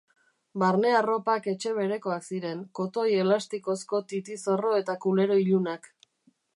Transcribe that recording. Barne-arropak etxe berekoak ziren, kotoi elastikozko titi-zorro eta kulero ilunak.